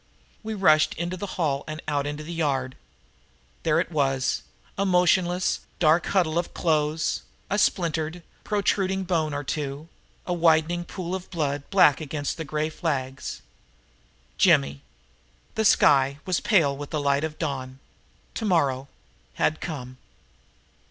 We rushed into the hall and out to the yard. There it was a motionless, dark huddle of clothes, a splintered, protruding bone or two, a widening pool of blood black against the grey flags Jimmy! The sky was pale with the light of dawn. Tomorrow had come.